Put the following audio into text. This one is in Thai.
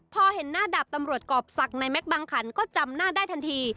พอเห็นหน้าดาบตำรวจกรอบศักดิ์ในแก๊กบังขันก็จำหน้าได้ทันที